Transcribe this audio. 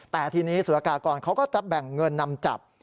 แต่ทีนี้สุรกากรเขาก็จะแบ่งเงินนำจับ